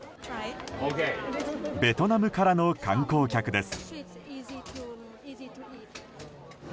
ベトナムからの観光客です。